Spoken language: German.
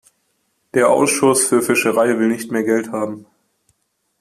Der Ausschuss für Fischerei will nicht mehr Geld haben.